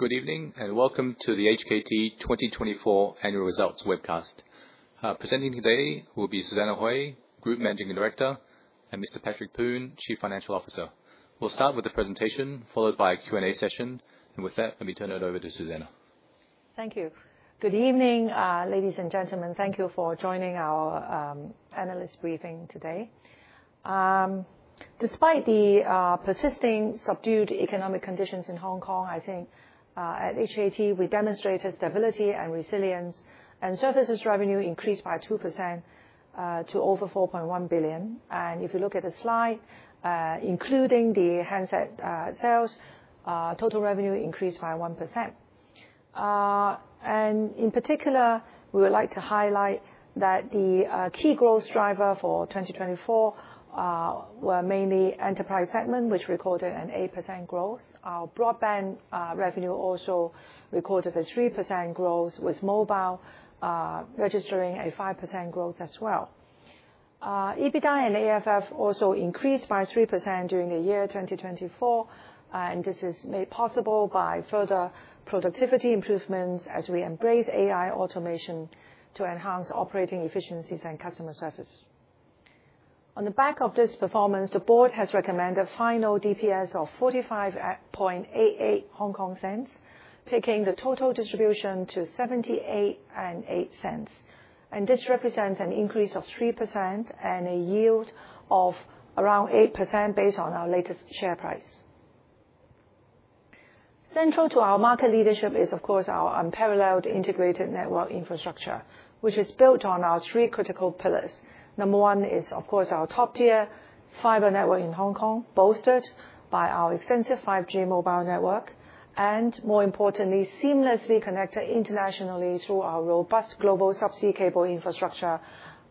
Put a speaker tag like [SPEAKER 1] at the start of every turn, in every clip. [SPEAKER 1] Good evening and welcome to the HKT 2024 Annual Results Webcast. Presenting today will be Susanna Hui, Group Managing Director, and Mr. Patrick Poon, Chief Financial Officer. We'll start with a presentation followed by a Q&A session, and with that, let me turn it over to Susanna.
[SPEAKER 2] Thank you. Good evening, ladies and gentlemen. Thank you for joining our analyst briefing today. Despite the persisting subdued economic conditions in Hong Kong, I think at HKT we demonstrated stability and resilience, and services revenue increased by 2% to over 4.1 billion. If you look at the slide, including the handset sales, total revenue increased by 1%. In particular, we would like to highlight that the key growth driver for 2024 were mainly the enterprise segment, which recorded an 8% growth. Our broadband revenue also recorded a 3% growth, with mobile registering a 5% growth as well. EBITDA and AFF also increased by 3% during the year 2024, and this is made possible by further productivity improvements as we embrace AI automation to enhance operating efficiencies and customer service. On the back of this performance, the board has recommended a final DPS of 0.4588, taking the total distribution to 0.7808. This represents an increase of 3% and a yield of around 8% based on our latest share price. Central to our market leadership is, of course, our unparalleled integrated network infrastructure, which is built on our three critical pillars. Number one is, of course, our top-tier fiber network in Hong Kong, bolstered by our extensive 5G mobile network, and more importantly, seamlessly connected internationally through our robust global subsea cable infrastructure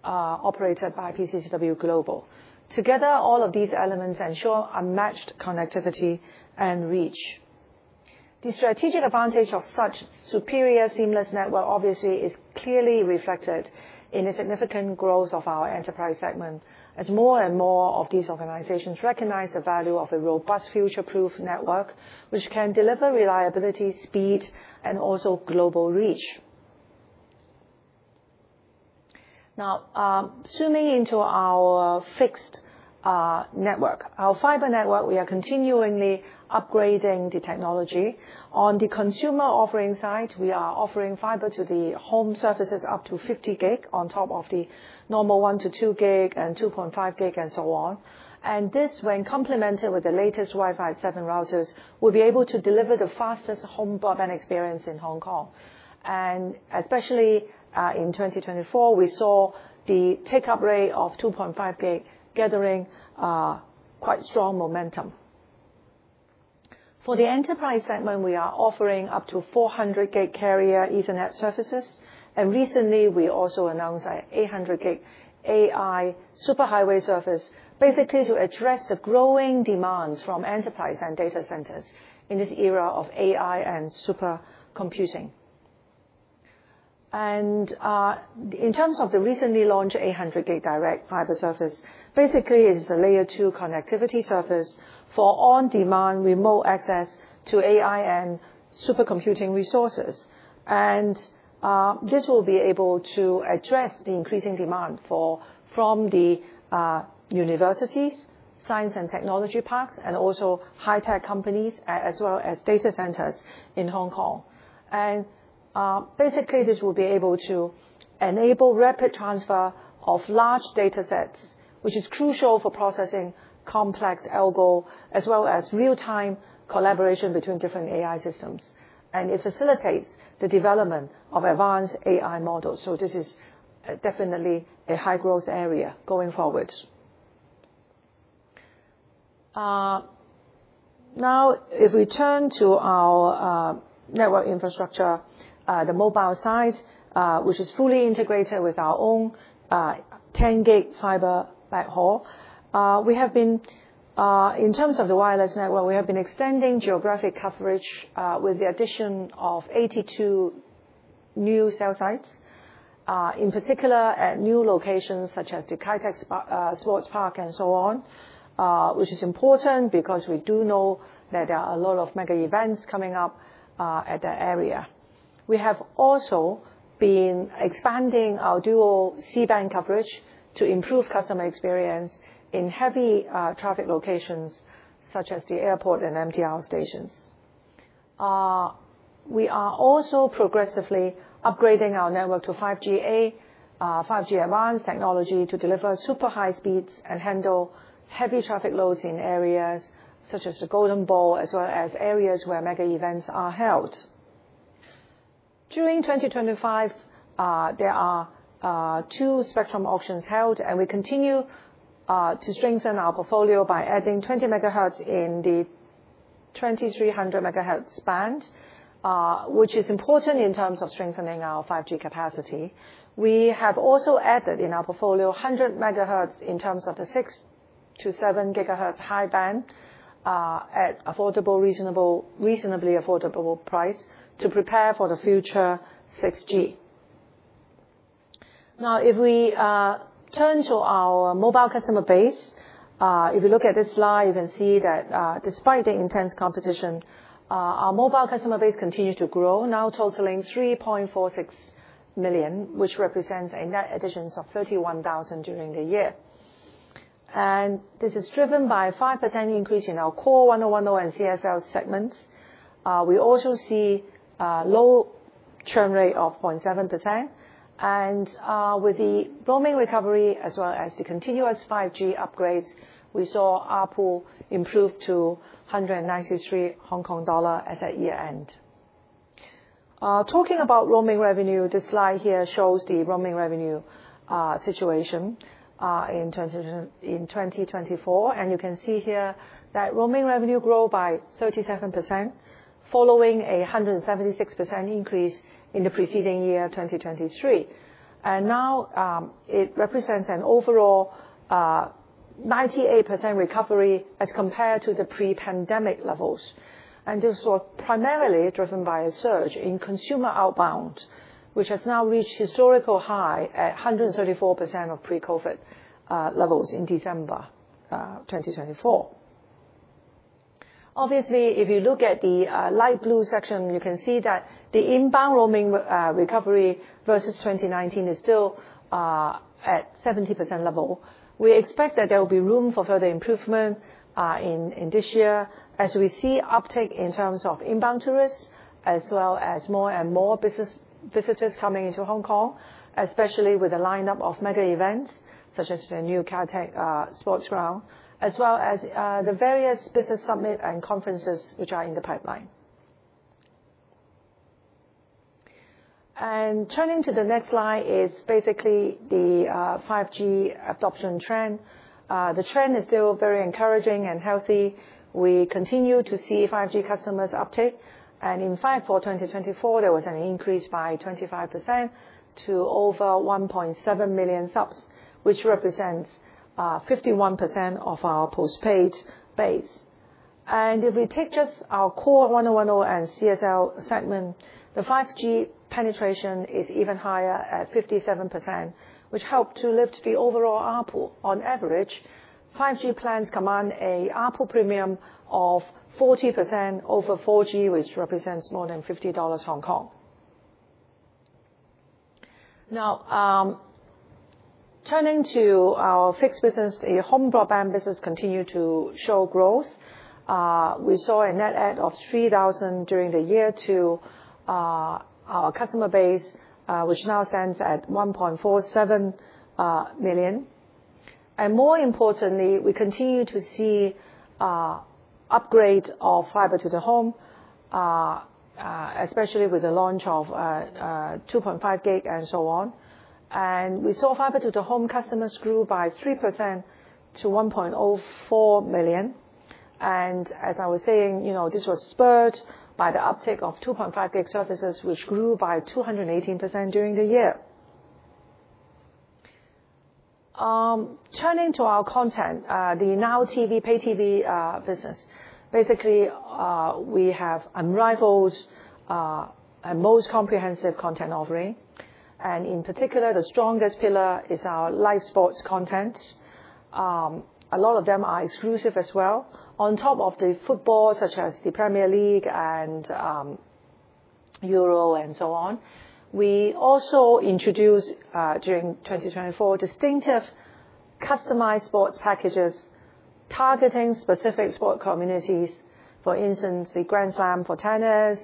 [SPEAKER 2] operated by PCCW Global. Together, all of these elements ensure unmatched connectivity and reach. The strategic advantage of such superior seamless network obviously is clearly reflected in the significant growth of our enterprise segment, as more and more of these organizations recognize the value of a robust future-proof network, which can deliver reliability, speed, and also global reach. Now, zooming into our fixed network, our fiber network, we are continually upgrading the technology. On the consumer offering side, we are offering fiber to the home services up to 50 gig on top of the normal one to two gig and 2.5 gig and so on. And this, when complemented with the latest Wi-Fi 7 routers, will be able to deliver the fastest home broadband experience in Hong Kong. And especially in 2024, we saw the take-up rate of 2.5 gig gathering quite strong momentum. For the enterprise segment, we are offering up to 400G Carrier Ethernet services, and recently we also announced an 800G AI Superhighway service, basically to address the growing demands from enterprise and data centers in this era of AI and supercomputing, and in terms of the recently launched 800G direct fiber service, basically it is a Layer 2 connectivity service for on-demand remote access to AI and supercomputing resources. This will be able to address the increasing demand from the universities, science and technology parks, and also high-tech companies, as well as data centers in Hong Kong, and basically, this will be able to enable rapid transfer of large data sets, which is crucial for processing complex algos, as well as real-time collaboration between different AI systems, and it facilitates the development of advanced AI models, so this is definitely a high-growth area going forward. Now, if we turn to our network infrastructure, the mobile side, which is fully integrated with our own 10-gig fiber backhaul, we have been, in terms of the wireless network, we have been extending geographic coverage with the addition of 82 new cell sites, in particular at new locations such as the Kai Tak Sports Park and so on, which is important because we do know that there are a lot of mega events coming up at that area. We have also been expanding our dual C-band coverage to improve customer experience in heavy traffic locations such as the airport and MTR stations. We are also progressively upgrading our network to 5G-A, 5G Advanced Technology, to deliver super high speeds and handle heavy traffic loads in areas such as the Golden Bowl, as well as areas where mega events are held. During 2025, there are two spectrum auctions held, and we continue to strengthen our portfolio by adding 20 MHz in the 2300 MHz band, which is important in terms of strengthening our 5G capacity. We have also added in our portfolio 100 MHz in terms of the 6-7 GHz high band at affordable, reasonably affordable price to prepare for the future 6G. Now, if we turn to our mobile customer base, if you look at this slide, you can see that despite the intense competition, our mobile customer base continues to grow, now totaling 3.46 million, which represents a net additions of 31,000 during the year, and this is driven by a 5% increase in our core 1010 and CSL segments. We also see a low churn rate of 0.7%. With the roaming recovery, as well as the continuous 5G upgrades, we saw our ARPU improve to 193 Hong Kong dollar HKD at that year-end. Talking about roaming revenue, this slide here shows the roaming revenue situation in 2024. You can see here that roaming revenue grew by 37%, following a 176% increase in the preceding year, 2023. Now it represents an overall 98% recovery as compared to the pre-pandemic levels. This was primarily driven by a surge in consumer outbound, which has now reached historical high at 134% of pre-COVID levels in December 2024. Obviously, if you look at the light blue section, you can see that the inbound roaming recovery versus 2019 is still at 70% level. We expect that there will be room for further improvement in this year as we see uptake in terms of inbound tourists, as well as more and more business visitors coming into Hong Kong, especially with the lineup of mega events such as the new Kai Tak Sports Park, as well as the various business summits and conferences which are in the pipeline, and turning to the next slide is basically the 5G adoption trend. The trend is still very encouraging and healthy. We continue to see 5G customers uptake. And in FY 2024, there was an increase by 25% to over 1.7 million subs, which represents 51% of our post-paid base, and if we take just our core 1010 and CSL segment, the 5G penetration is even higher at 57%, which helped to lift the overall ARPU. On average, 5G plans command an R pool premium of 40% over 4G, which represents more than $50 HKD. Now, turning to our fixed business, the home broadband business continued to show growth. We saw a net add of 3,000 during the year to our customer base, which now stands at 1.47 million. More importantly, we continue to see upgrades of fiber to the home, especially with the launch of 2.5 gig and so on. We saw fiber to the home customers grew by 3% to 1.04 million. As I was saying, this was spurred by the uptake of 2.5 gig services, which grew by 218% during the year. Turning to our content, the Now TV pay TV business, basically we have unrivaled and most comprehensive content offering. In particular, the strongest pillar is our live sports content. A lot of them are exclusive as well. On top of the football, such as the Premier League and Euro and so on, we also introduced during 2024 distinctive customized sports packages targeting specific sport communities. For instance, the Grand Slam for tennis,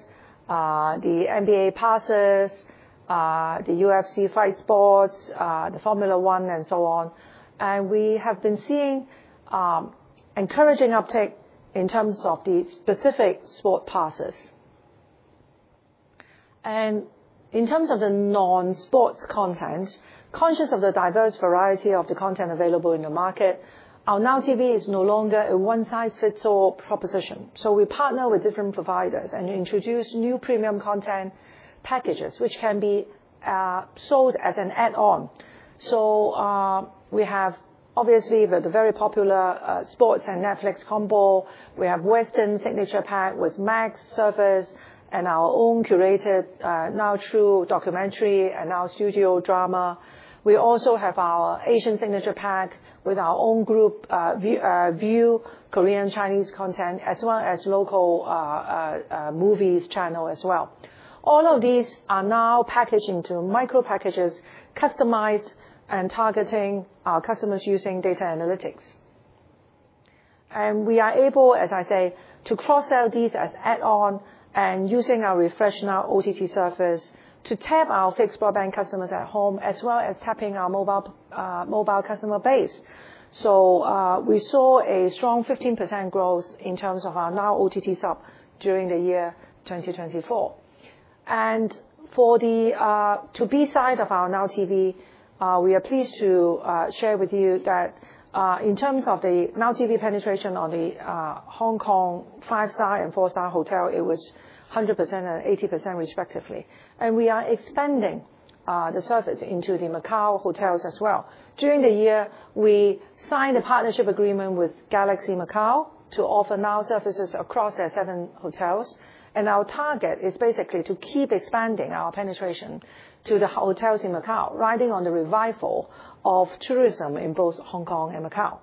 [SPEAKER 2] the NBA passes, the UFC fight sports, the Formula 1, and so on. And we have been seeing encouraging uptake in terms of the specific sport passes. In terms of the non-sports content, conscious of the diverse variety of the content available in the market, our Now TV is no longer a one-size-fits-all proposition. So we partner with different providers and introduce new premium content packages, which can be sold as an add-on. So we have obviously the very popular Sports and Netflix combo. We have Western Signature Pack with Max service and our own curated Now True documentary and Now Studio drama. We also have our Asian Signature Pack with our own group Viu Korean Chinese content, as well as local movies channel as well. All of these are now packaged into micro packages customized and targeting our customers using data analytics. And we are able, as I say, to cross-sell these as add-on and using our refresh Now OTT service to tap our fixed broadband customers at home, as well as tapping our mobile customer base. So we saw a strong 15% growth in terms of our Now OTT sub during the year 2024. And for the B2B side of our Now TV, we are pleased to share with you that in terms of the Now TV penetration on the Hong Kong five-star and four-star hotel, it was 100% and 80% respectively. And we are expanding the service into the Macau hotels as well. During the year, we signed a partnership agreement with Galaxy Macau to offer Now services across their seven hotels. And our target is basically to keep expanding our penetration to the hotels in Macau, riding on the revival of tourism in both Hong Kong and Macau.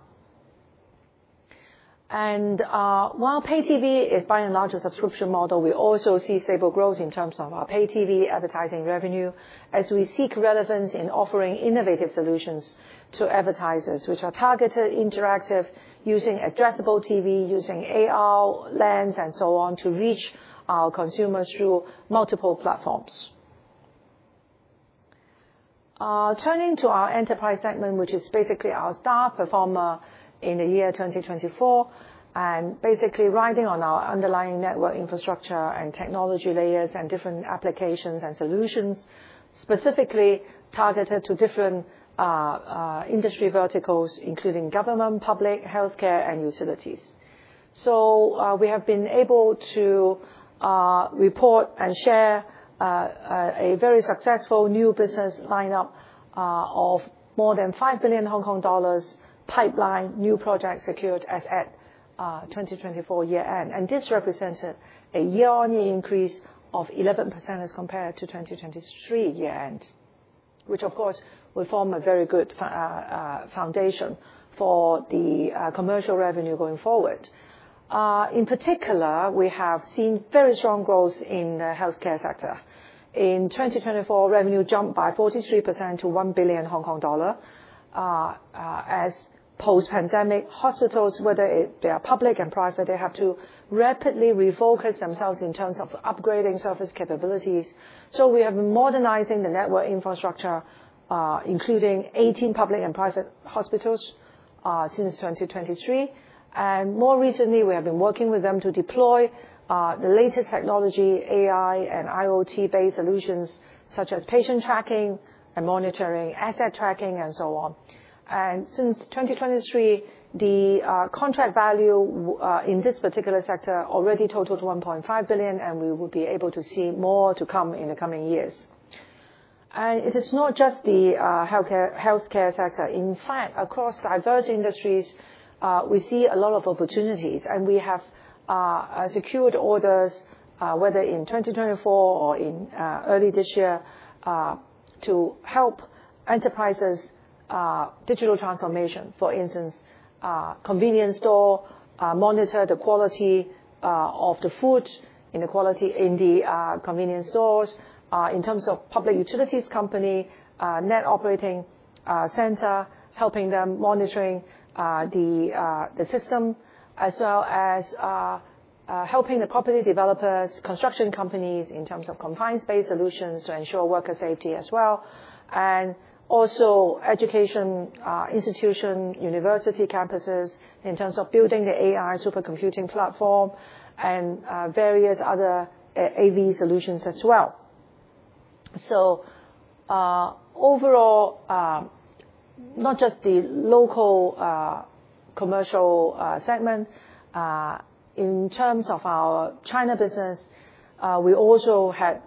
[SPEAKER 2] And while pay TV is by and large a subscription model, we also see stable growth in terms of our pay TV advertising revenue as we seek relevance in offering innovative solutions to advertisers which are targeted, interactive, using addressable TV, using AR lens and so on to reach our consumers through multiple platforms. Turning to our enterprise segment, which is basically our star performer in the year 2024, and basically riding on our underlying network infrastructure and technology layers and different applications and solutions specifically targeted to different industry verticals, including government, public, healthcare, and utilities. We have been able to report and share a very successful new business lineup of more than 5 billion Hong Kong dollars pipeline new projects secured as at 2024 year-end. And this represented a year-on-year increase of 11% as compared to 2023 year-end, which of course will form a very good foundation for the commercial revenue going forward. In particular, we have seen very strong growth in the healthcare sector. In 2024, revenue jumped by 43% to 1 billion Hong Kong dollar as post-pandemic hospitals, whether they are public and private, they have to rapidly refocus themselves in terms of upgrading service capabilities. So we have been modernizing the network infrastructure, including 18 public and private hospitals since 2023. And more recently, we have been working with them to deploy the latest technology, AI and IoT-based solutions such as patient tracking and monitoring, asset tracking, and so on. Since 2023, the contract value in this particular sector already totaled 1.5 billion, and we will be able to see more to come in the coming years. It is not just the healthcare sector. In fact, across diverse industries, we see a lot of opportunities, and we have secured orders, whether in 2024 or in early this year, to help enterprises' digital transformation. For instance, convenience stores monitor the quality of the food in the convenience stores. In terms of public utilities companies, network operations center, helping them monitor the system, as well as helping the property developers, construction companies in terms of confined space solutions to ensure worker safety as well. Education institutions, university campuses in terms of building the AI supercomputing platform and various other AV solutions as well. So overall, not just the local commercial segment, in terms of our China business, we also had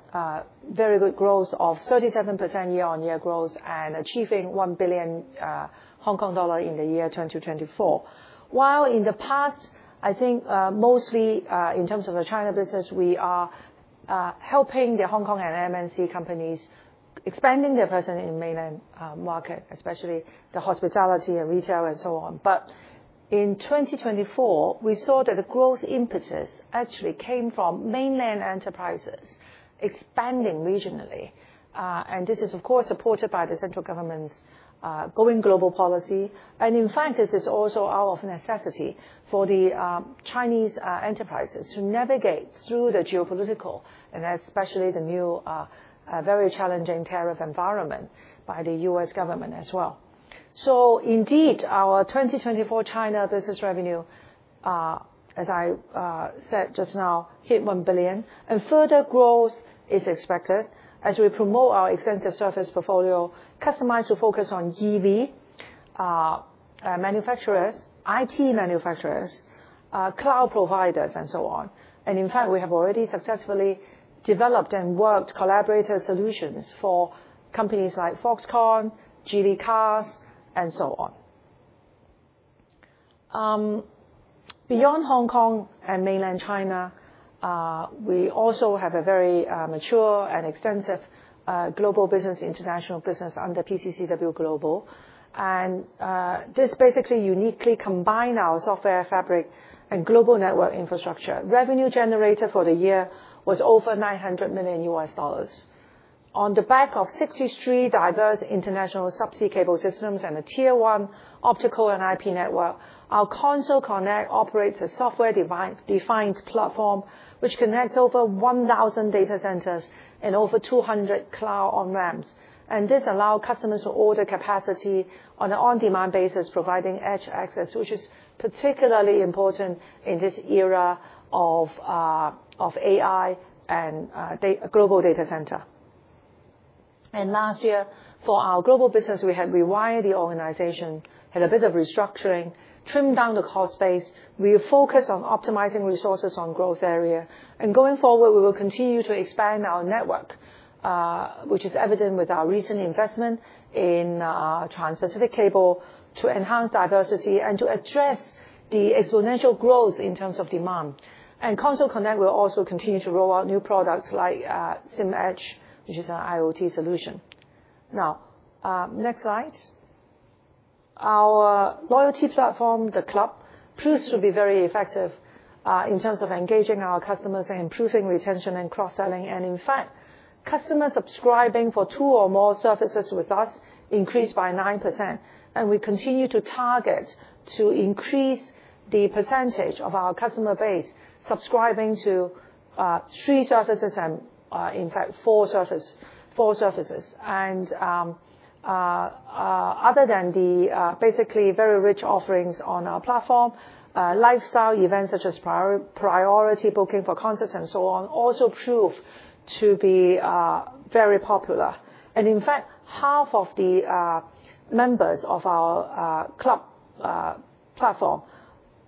[SPEAKER 2] very good growth of 37% year-on-year growth and achieving 1 billion Hong Kong dollar in the year 2024. While in the past, I think mostly in terms of the China business, we are helping the Hong Kong and MNC companies expanding their presence in mainland market, especially the hospitality and retail and so on. But in 2024, we saw that the growth impetus actually came from mainland enterprises expanding regionally. And this is, of course, supported by the central government's going global policy. And in fact, this is also out of necessity for the Chinese enterprises to navigate through the geopolitical and especially the new very challenging tariff environment by the U.S. government as well. So indeed, our 2024 China business revenue, as I said just now, hit 1 billion. Further growth is expected as we promote our extensive service portfolio customized to focus on EV manufacturers, IT manufacturers, cloud providers, and so on. In fact, we have already successfully developed and worked collaborative solutions for companies like Foxconn, Geely Cars, and so on. Beyond Hong Kong and mainland China, we also have a very mature and extensive global business, international business under PCCW Global. This basically uniquely combines our software fabric and global network infrastructure. Revenue generated for the year was over $ 900 million. On the back of 63 diverse international subsea cable systems and a tier one optical and IP network, our Console Connect operates a software-defined platform which connects over 1,000 data centers and over 200 cloud on-ramps. And this allows customers to order capacity on an on-demand basis, providing edge access, which is particularly important in this era of AI and global data center. And last year, for our global business, we had rewired the organization, had a bit of restructuring, trimmed down the cost base. We focused on optimizing resources on growth area. And going forward, we will continue to expand our network, which is evident with our recent investment in trans-Pacific cable to enhance diversity and to address the exponential growth in terms of demand. And Console Connect will also continue to roll out new products like SIMEdge, which is an IoT solution. Now, next slide. Our loyalty platform, The Club, proves to be very effective in terms of engaging our customers and improving retention and cross-selling. And in fact, customers subscribing for two or more services with us increased by 9%. And we continue to target to increase the percentage of our customer base subscribing to three services and, in fact, four services. And other than the basically very rich offerings on our platform, lifestyle events such as priority booking for concerts and so on also prove to be very popular. And in fact, half of the members of our club platform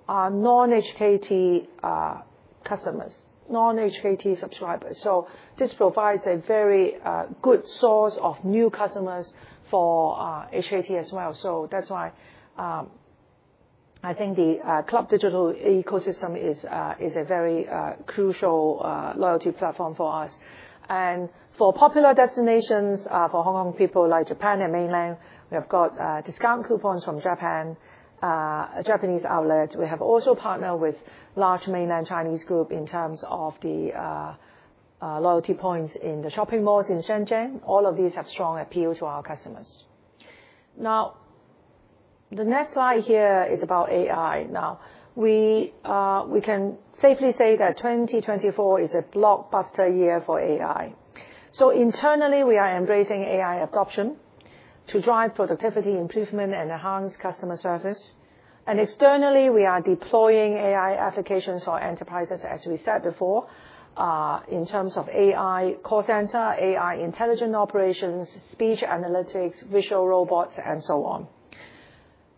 [SPEAKER 2] are non-HKT customers, non-HKT subscribers. So this provides a very good source of new customers for HKT as well. So that's why I think the club digital ecosystem is a very crucial loyalty platform for us. And for popular destinations for Hong Kong people like Japan and Mainland, we have got discount coupons from Japanese outlets. We have also partnered with large Mainland Chinese groups in terms of the loyalty points in the shopping malls in Shenzhen. All of these have strong appeal to our customers. Now, the next slide here is about AI. Now, we can safely say that 2024 is a blockbuster year for AI. So internally, we are embracing AI adoption to drive productivity improvement and enhance customer service. And externally, we are deploying AI applications for enterprises, as we said before, in terms of AI call center, AI intelligent operations, speech analytics, visual robots, and so on.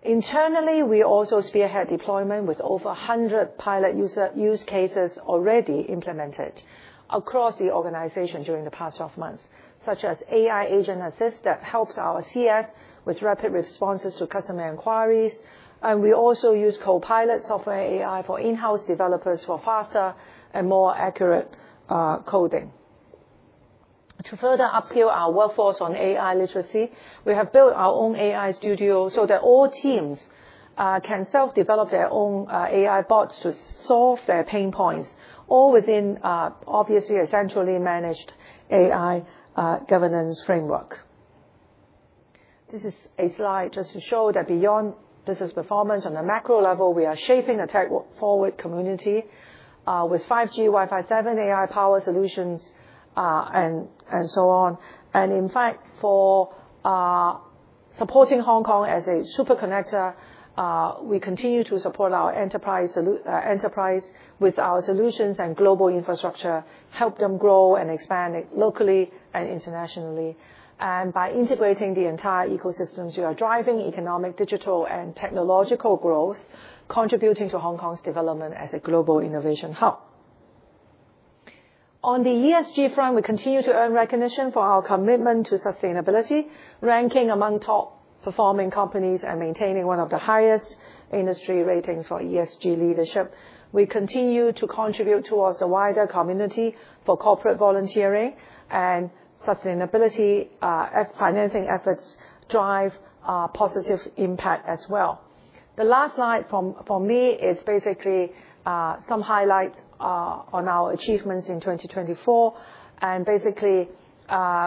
[SPEAKER 2] Internally, we also spearhead deployment with over 100 pilot use cases already implemented across the organization during the past 12 months, such as AI agent assist that helps our CS with rapid responses to customer inquiries. And we also use co-pilot software AI for in-house developers for faster and more accurate coding. To further upskill our workforce on AI literacy, we have built our own AI studio so that all teams can self-develop their own AI bots to solve their pain points, all within obviously a centrally managed AI governance framework. This is a slide just to show that beyond business performance on the macro level, we are shaping a tech forward community with 5G, Wi-Fi 7, AI power solutions, and so on. And in fact, for supporting Hong Kong as a super connector, we continue to support our enterprise with our solutions and global infrastructure, help them grow and expand locally and internationally. And by integrating the entire ecosystems, we are driving economic, digital, and technological growth, contributing to Hong Kong's development as a global innovation hub. On the ESG front, we continue to earn recognition for our commitment to sustainability, ranking among top performing companies and maintaining one of the highest industry ratings for ESG leadership. We continue to contribute towards the wider community for corporate volunteering and sustainability financing efforts drive positive impact as well. The last slide for me is basically some highlights on our achievements in 2024, and basically,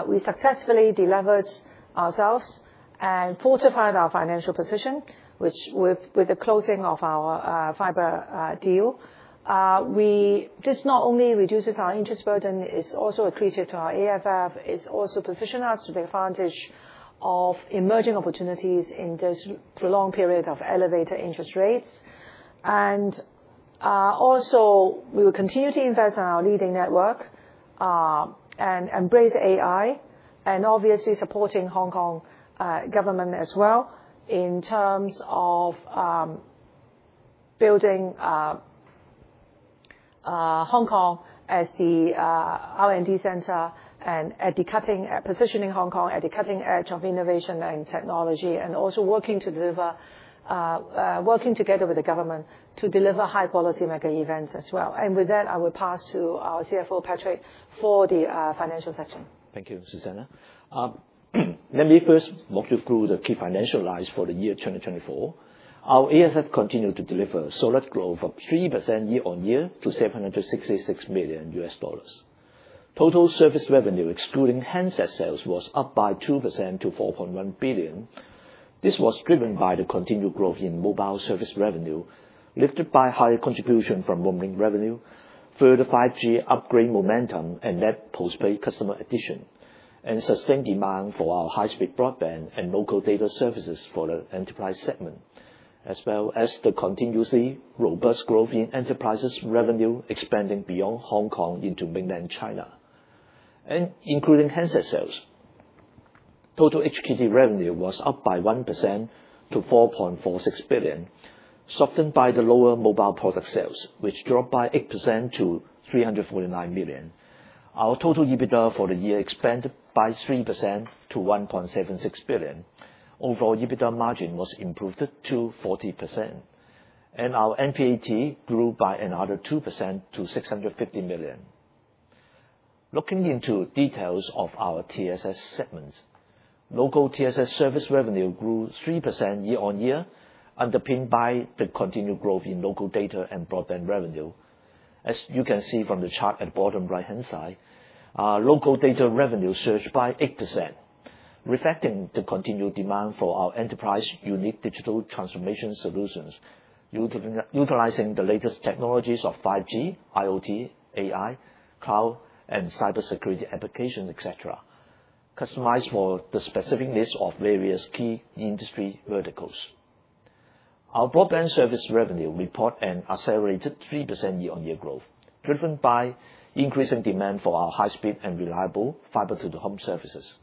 [SPEAKER 2] we successfully delivered ourselves and fortified our financial position, which, with the closing of our fiber deal, this not only reduces our interest burden, it's also accretive to our AFF, it's also positioned us to the advantage of emerging opportunities in this prolonged period of elevated interest rates. And also, we will continue to invest in our leading network and embrace AI, and obviously supporting Hong Kong government as well in terms of building Hong Kong as the R&D center and positioning Hong Kong at the cutting edge of innovation and technology, and also working together with the government to deliver high-quality mega events as well. And with that, I will pass to our CFO, Patrick, for the financial section.
[SPEAKER 3] Thank you, Susanna. Let me first walk you through the key financial lines for the year 2024. Our AFF continued to deliver solid growth of 3% year-on-year to $766 million. Total service revenue, excluding handset sales, was up by 2% to 4.1 billion. This was driven by the continued growth in mobile service revenue, lifted by higher contribution from roaming revenue, further 5G upgrade momentum, and net postpaid customer addition, and sustained demand for our high-speed broadband and local data services for the enterprise segment, as well as the continuously robust growth in enterprises revenue expanding beyond Hong Kong into mainland China, and including handset sales, total HKT revenue was up by 1% to 4.46 billion, softened by the lower mobile product sales, which dropped by 8% to 349 million. Our total EBITDA for the year expanded by 3% to 1.76 billion. Overall EBITDA margin was improved to 40%, and our NPAT grew by another 2% to 650 million. Looking into details of our TSS segments, local TSS service revenue grew 3% year-on-year, underpinned by the continued growth in local data and broadband revenue. As you can see from the chart at the bottom right-hand side, local data revenue surged by 8%, reflecting the continued demand for our enterprise unique digital transformation solutions utilizing the latest technologies of 5G, IoT, AI, cloud, and cybersecurity applications, etc., customized for the specific needs of various key industry verticals. Our broadband service revenue reported an accelerated 3% year-on-year growth, driven by increasing demand for our high-speed and reliable fiber-to-the-home services,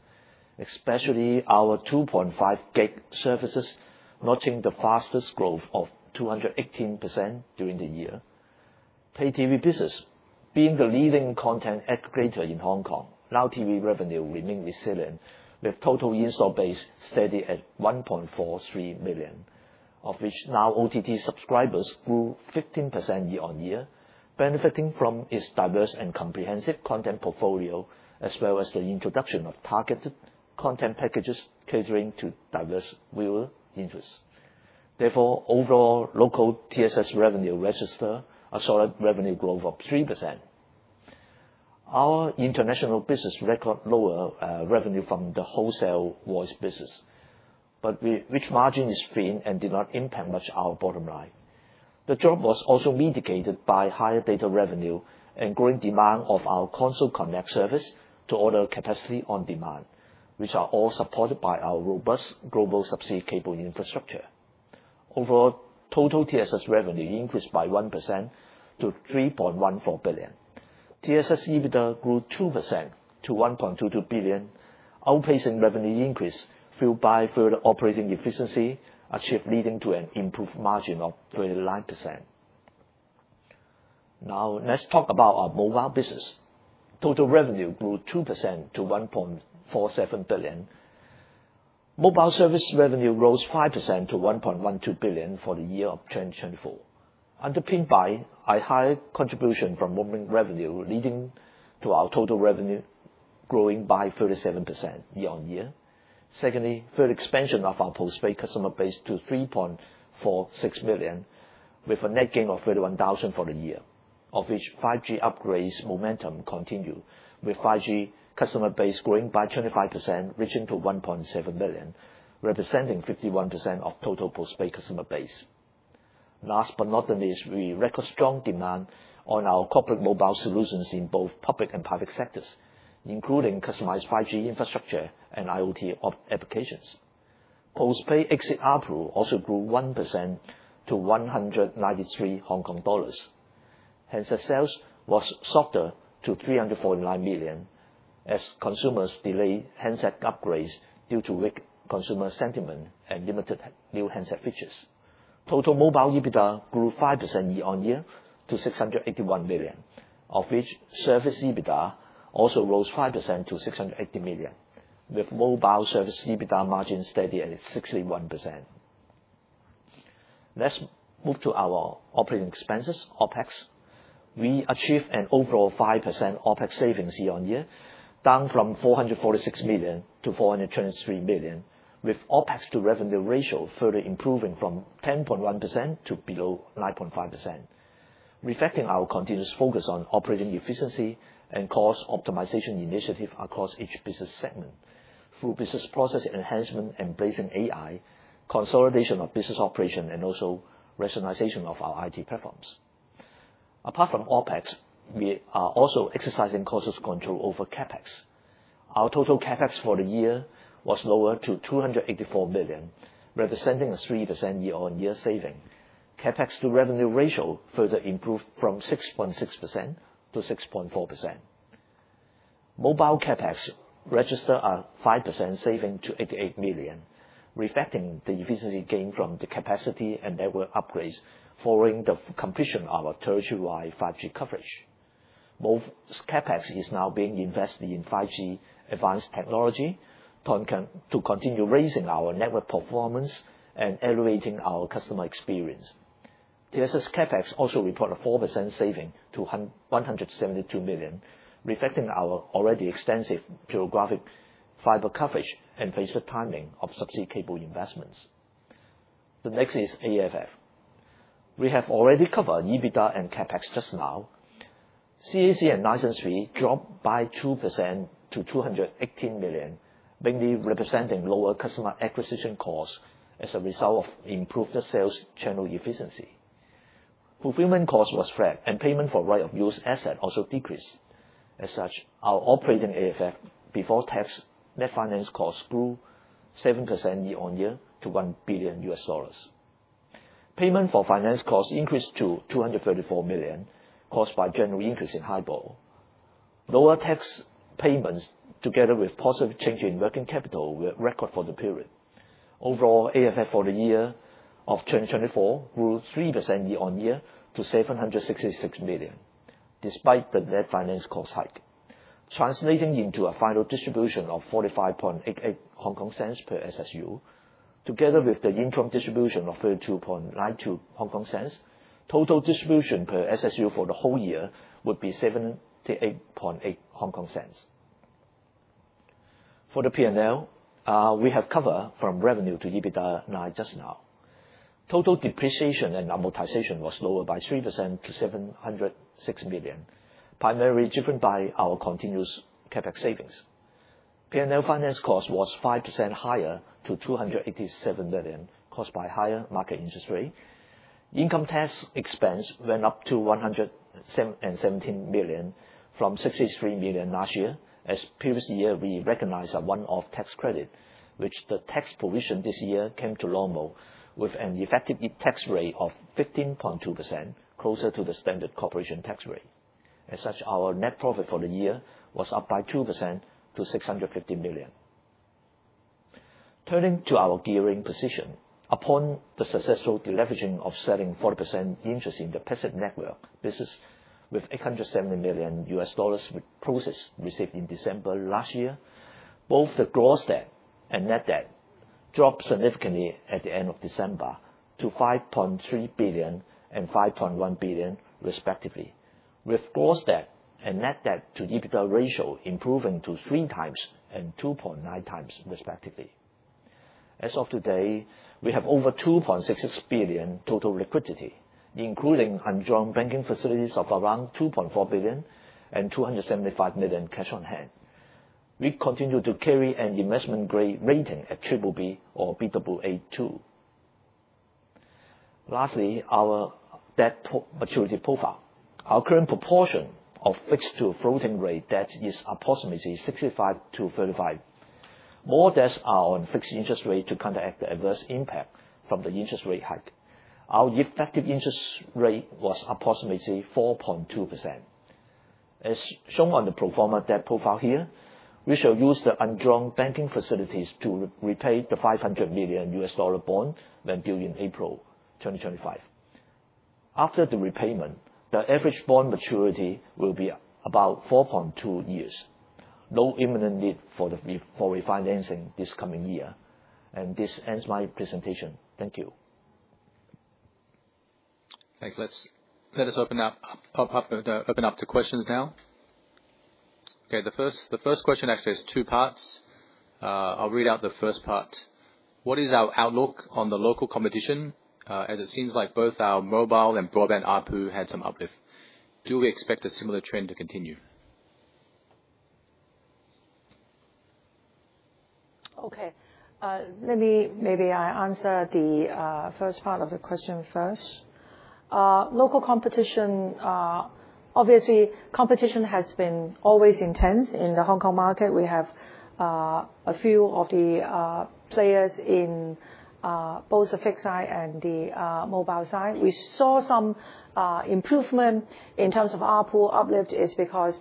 [SPEAKER 3] especially our 2.5 gig services, noting the fastest growth of 218% during the year. Pay TV business, being the leading content aggregator in Hong Kong, Now TV revenue remained resilient, with total install base steady at 1.43 million, of which Now OTT subscribers grew 15% year-on-year, benefiting from its diverse and comprehensive content portfolio, as well as the introduction of targeted content packages catering to diverse viewer interests. Therefore, overall local TSS revenue registered a solid revenue growth of 3%. Our international business recorded lower revenue from the wholesale voice business, but which margin is fine and did not impact much our bottom line. The drop was also mitigated by higher data revenue and growing demand of our Console Connect service to order capacity on demand, which are all supported by our robust global subsea cable infrastructure. Overall, total TSS revenue increased by 1% to 3.14 billion. TSS EBITDA grew 2% to 1.22 billion, outpacing revenue increase fueled by further operating efficiency achieved, leading to an improved margin of 39%. Now, let's talk about our mobile business. Total revenue grew 2% to 1.47 billion. Mobile service revenue rose 5% to 1.12 billion for the year of 2024, underpinned by a higher contribution from roaming revenue, leading to our total revenue growing by 37% year-on-year. Secondly, further expansion of our postpaid customer base to 3.46 million, with a net gain of 31,000 for the year, of which 5G upgrade momentum continued, with 5G customer base growing by 25%, reaching 1.7 million, representing 51% of total postpaid customer base. Last but not least, we record strong demand on our corporate mobile solutions in both public and private sectors, including customized 5G infrastructure and IoT applications. Postpaid exit ARPU also grew 1% to 193 Hong Kong dollars. Handset sales was softened to 349 million, as consumers delayed handset upgrades due to weak consumer sentiment and limited new handset features. Total mobile EBITDA grew 5% year-on-year to 681 million, of which service EBITDA also rose 5% to 680 million, with mobile service EBITDA margin steady at 61%. Let's move to our operating expenses, OpEx. We achieved an overall 5% OpEx savings year-on-year, down from 446 million to 423 million, with OpEx to revenue ratio further improving from 10.1% to below 9.5%, reflecting our continuous focus on operating efficiency and cost optimization initiatives across each business segment through business process enhancement, embracing AI, consolidation of business operation, and also rationalization of our IT platforms. Apart from OpEx, we are also exercising cost control over CapEx. Our total CapEx for the year was lower to 284 million, representing a 3% year-on-year saving. CapEx to revenue ratio further improved from 6.6% to 6.4%. Mobile CapEx registered a 5% saving to 88 million, reflecting the efficiency gain from the capacity and network upgrades following the completion of our territorial 5G coverage. Most CapEx is now being invested in 5G advanced technology to continue raising our network performance and elevating our customer experience. TSS CapEx also reported a 4% saving to 172 million, reflecting our already extensive geographic fiber coverage and faced with timing of subsea cable investments. The next is AFF. We have already covered EBITDA and CapEx just now. CAC and License fees dropped by 2% to 218 million, mainly representing lower customer acquisition costs as a result of improved sales channel efficiency. Fulfillment costs were flat, and payment for right-of-use assets also decreased. As such, our operating AFF before tax net finance costs grew 7% year-on-year to HKD 1 billion. Payment for finance costs increased to 234 million, caused by general increase in HIBOR. Lower tax payments, together with positive change in working capital, were record for the period. Overall, AFF for the year of 2024 grew 3% year-on-year to 766 million, despite the net finance cost hike, translating into a final distribution of 0.4588 per SSU. Together with the interim distribution of 32.92, total distribution per SSU for the whole year would be 0.788. For the P&L, we have covered from revenue to EBITDA now. Total depreciation and amortization was lower by 3% to 706 million, primarily driven by our continuous CapEx savings. P&L finance cost was 5% higher to 287 million, caused by higher market interest rate. Income tax expense went up to 117 million from 63 million last year, as previous year we recognized a one-off tax credit, which the tax provision this year came to in normal mode with an effective tax rate of 15.2%, closer to the standard corporation tax rate. As such, our net profit for the year was up by 2% to 650 million. Turning to our gearing position, upon the successful leveraging of selling 40% interest in the passive network business with $870 million with proceeds received in December last year, both the gross debt and net debt dropped significantly at the end of December to 5.3 billion and 5.1 billion, respectively, with gross debt and net debt to EBITDA ratio improving to 3 times and 2.9 times, respectively. As of today, we have over 2.66 billion total liquidity, including undrawn banking facilities of around 2.4 billion and 275 million cash on hand. We continue to carry an investment grade rating at BBB or BAA2. Lastly, our debt maturity profile. Our current proportion of fixed to floating rate debt is approximately 65% to 35%. More debts are on fixed interest rate to counteract the adverse impact from the interest rate hike. Our effective interest rate was approximately 4.2%. As shown on the pro forma debt profile here, we shall use the undrawn banking facilities to repay the HKD 500 million bond when due in April 2025. After the repayment, the average bond maturity will be about 4.2 years. No imminent need for refinancing this coming year. This ends my presentation. Thank you.
[SPEAKER 1] Thanks. Let's open up to questions now. Okay, the first question actually has two parts. I'll read out the first part. What is our outlook on the local competition, as it seems like both our mobile and broadband ARPU had some uplift? Do we expect a similar trend to continue?
[SPEAKER 2] Okay, let me maybe answer the first part of the question first. Local competition, obviously, competition has been always intense in the Hong Kong market. We have a few of the players in both the fixed side and the mobile side. We saw some improvement in terms of RPU uplift is because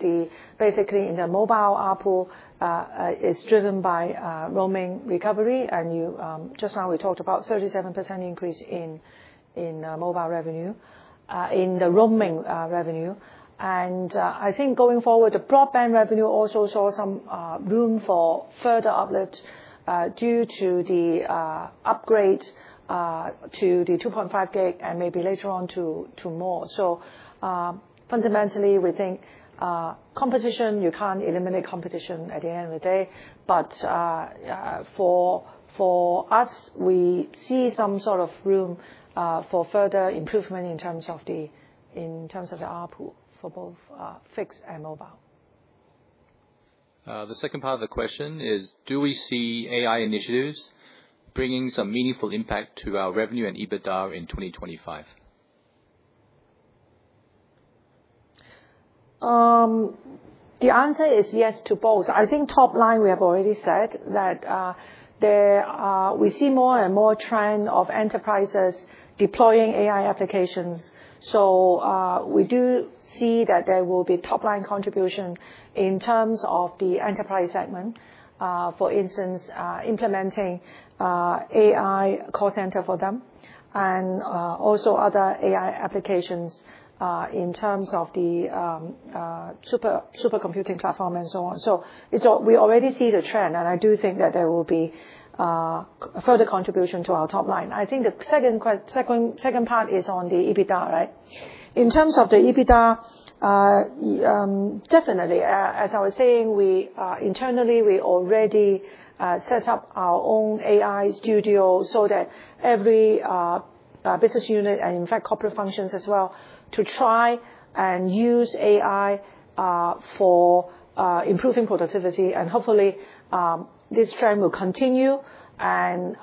[SPEAKER 2] basically in the mobile RPU is driven by roaming recovery. And just now we talked about a 37% increase in mobile revenue, in the roaming revenue. And I think going forward, the broadband revenue also saw some room for further uplift due to the upgrade to the 2.5 gig and maybe later on to more. So fundamentally, we think competition, you can't eliminate competition at the end of the day. But for us, we see some sort of room for further improvement in terms of the RPU for both fixed and mobile.
[SPEAKER 1] The second part of the question is, do we see AI initiatives bringing some meaningful impact to our revenue and EBITDA in 2025?
[SPEAKER 2] The answer is yes to both. I think top line we have already said that we see more and more trend of enterprises deploying AI applications. So we do see that there will be top line contribution in terms of the enterprise segment, for instance, implementing AI call center for them and also other AI applications in terms of the supercomputing platform and so on. So we already see the trend, and I do think that there will be further contribution to our top line. I think the second part is on the EBITDA, right? In terms of the EBITDA, definitely, as I was saying, internally we already set up our own AI studio so that every business unit and in fact corporate functions as well to try and use AI for improving productivity. And hopefully this trend will continue, and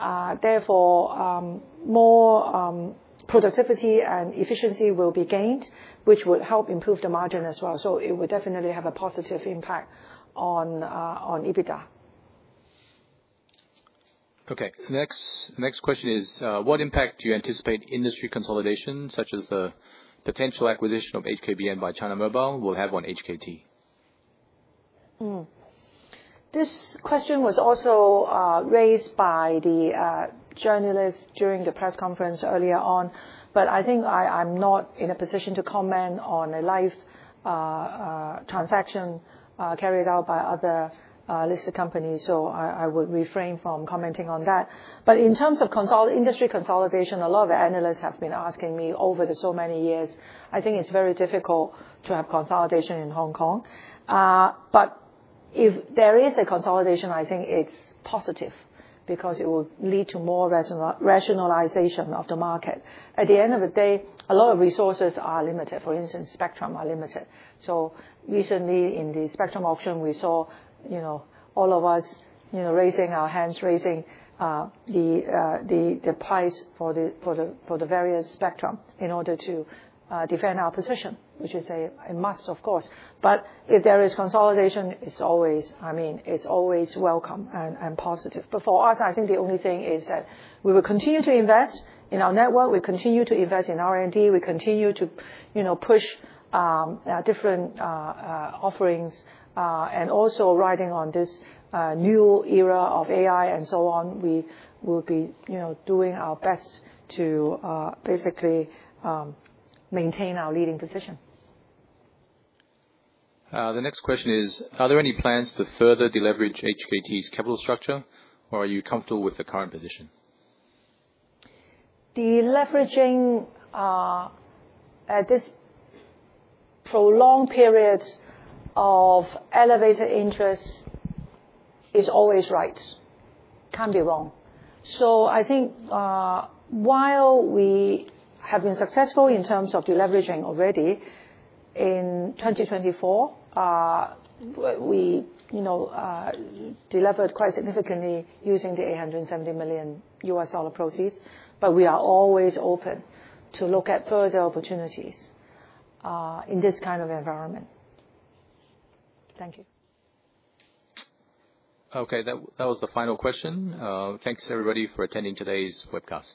[SPEAKER 2] therefore more productivity and efficiency will be gained, which would help improve the margin as well. So it would definitely have a positive impact on EBITDA.
[SPEAKER 1] Okay, next question is, what impact do you anticipate industry consolidation, such as the potential acquisition of HKBN by China Mobile, will have on HKT?
[SPEAKER 2] This question was also raised by the journalist during the press conference earlier on, but I think I'm not in a position to comment on a live transaction carried out by other listed companies. So I would refrain from commenting on that. But in terms of industry consolidation, a lot of analysts have been asking me over the so many years. I think it's very difficult to have consolidation in Hong Kong. But if there is a consolidation, I think it's positive because it will lead to more rationalization of the market. At the end of the day, a lot of resources are limited. For instance, spectrum are limited. So recently in the spectrum auction, we saw all of us raising our hands, raising the price for the various spectrum in order to defend our position, which is a must, of course. But if there is consolidation, it's always welcome and positive. But for us, I think the only thing is that we will continue to invest in our network. We continue to invest in R&D. We continue to push different offerings. And also riding on this new era of AI and so on, we will be doing our best to basically maintain our leading position.
[SPEAKER 1] The next question is, are there any plans to further deleverage HKT's capital structure, or are you comfortable with the current position?
[SPEAKER 2] Deleveraging at this prolonged period of elevated interest is always right. Can't be wrong. So I think while we have been successful in terms of deleveraging already in 2024, we delivered quite significantly using the $870 million proceeds, but we are always open to look at further opportunities in this kind of environment. Thank you.
[SPEAKER 1] Okay, that was the final question. Thanks everybody for attending today's webcast.